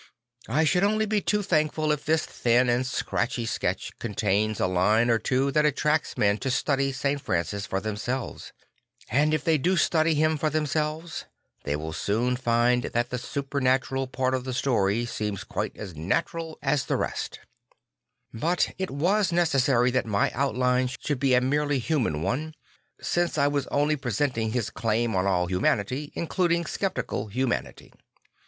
I should only be too thankful if this thin and scratchy sketch contains a line or two that attracts men to study St. Francis for themselves; and if they do study him for them selves, they will soon find that the supernatural part of the story seems quite as natural as the Al iracl J and D ath 16 3 rest. But it was necessary that my outline should be a merely human one, since I was only presenting his claim on all humanity, including sceptical humanity.